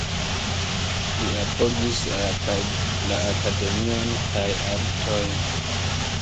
Li apogis la akademion kaj la artojn.